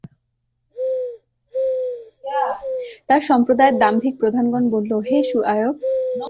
তার সম্প্রদায়ের দাম্ভিক প্রধানগণ বলল, হে শুআয়ব!